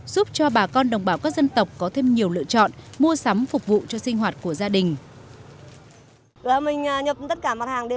giúp cho bà con đồng bào các dân tộc có thêm nhiều lựa chọn mua sắm phục vụ cho sinh hoạt của gia đình